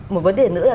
một vấn đề nữa là